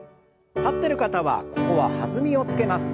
立ってる方はここは弾みをつけます。